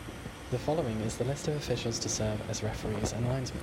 The following is the list of officials to serve as referees and linesmen.